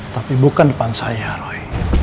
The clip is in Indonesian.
tapi bukan di depan saya roy